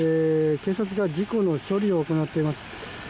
警察が事故の処理を行っています。